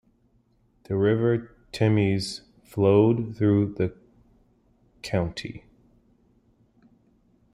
The river Temes flowed through the county.